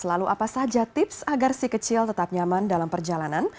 lalu apa saja tips agar si kecil tetap nyaman dalam perjalanan